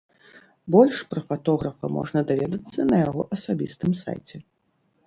Больш пра фатографа можна даведацца на яго асабістым сайце.